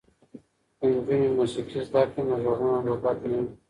که نجونې موسیقي زده کړي نو غږونه به بد نه وي.